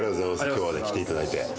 今日は来ていただいて。